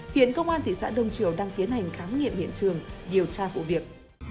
hiện công an thị xã đông triều đang tiến hành khám nghiệm hiện trường điều tra vụ việc